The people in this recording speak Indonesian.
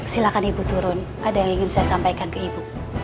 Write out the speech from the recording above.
silahkan ibu turun ada yang ingin saya sampaikan ke ibu